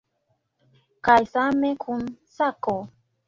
Kaj same kun sako.